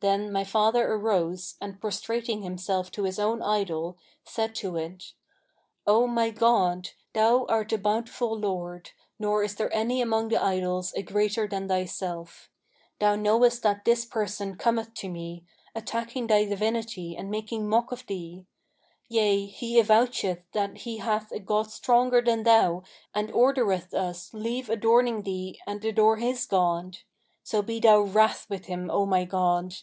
Then my father arose and prostrating himself to his own idol, said to it, 'O my god, thou art the Bountiful Lord, nor is there among the idols a greater than thyself. Thou knowest that this person cometh to me, attacking thy divinity and making mock of thee; yea, he avoucheth that he hath a god stronger than thou and ordereth us leave adoring thee and adore his god. So be thou wrath with him, O my god!'